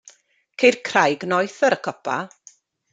Ceir craig noeth ar y copa.